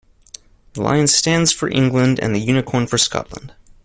The lion stands for England and the unicorn for Scotland.